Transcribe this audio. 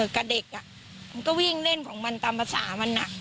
กับเด็กมันก็วิ่งเล่นของมันตามภาษามัน